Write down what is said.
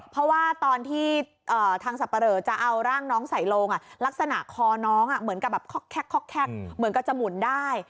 เพราะว่าตอนที่ทางสับปะเหลอจะเอาร่างน้องใส่ลงลักษณะคอน้องเหมือนกับแบบแคกเหมือนกับจะหมุนได้